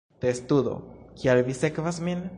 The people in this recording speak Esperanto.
Testudo: "Kial vi sekvas min?"